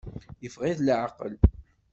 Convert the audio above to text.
Yeffeɣ-it leεqel.